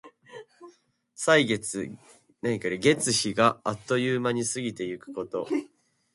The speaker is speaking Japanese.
歳月、月日があっという間に過ぎてゆくこと。